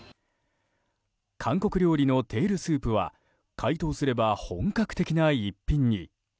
韓国料理のテールスープは解凍すれば本格的な一品に。